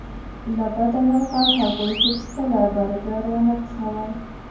له بده مرغه هغوی هیڅکله برګر ونه پخول